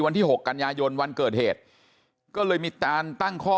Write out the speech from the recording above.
วันที่๖กันยายนวันเกิดเหตุก็เลยมีการตั้งข้อ